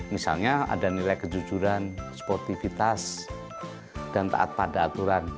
misalnya ada nilai kejujuran sportivitas dan taat pada aturan